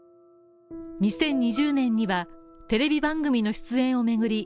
２０２０年には、テレビ番組の出演を巡り